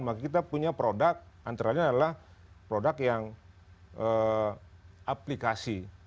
maka kita punya produk antaranya adalah produk yang aplikasi